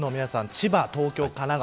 千葉、東京、神奈川